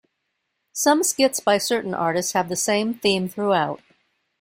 Some skits by certain artists have the same theme throughout.